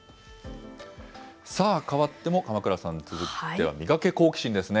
さあ、変わっても鎌倉さん、続いては、ミガケ、好奇心！ですね。